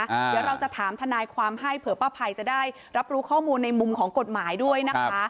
เดี๋ยวเราจะถามทนายความให้เผื่อป้าภัยจะได้รับรู้ข้อมูลในมุมของกฎหมายด้วยนะคะ